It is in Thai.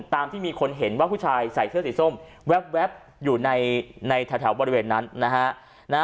ที่มีคนเห็นว่าผู้ชายใส่เสื้อสีส้มแว๊บอยู่ในแถวบริเวณนั้นนะฮะ